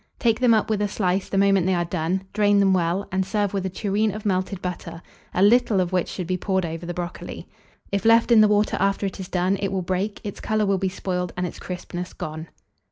Take them up with a slice the moment they are done; drain them well, and serve with a tureen of melted butter, a little of which should be poured over the brocoli. If left in the water after it is done, it will break, its colour will be spoiled, and its crispness gone.